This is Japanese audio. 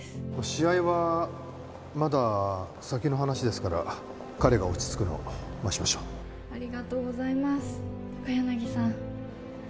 試合はまだ先の話ですから彼が落ち着くのを待ちましょうありがとうございます高柳さん